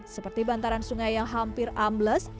seperti bantaran sungai yang hampir ambles